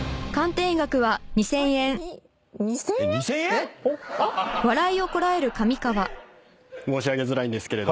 ⁉えっ⁉申し上げづらいんですけど。